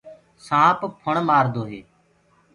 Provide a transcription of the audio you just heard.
سآنپ ڦُڻ مآردو هي۔